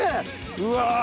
うわ！